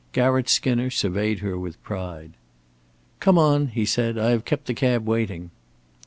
Garratt Skinner surveyed her with pride. "Come on," he said. "I have kept the cab waiting."